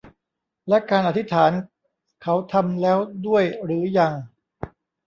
และการอธิษฐานเขาทำแล้วด้วยหรือยัง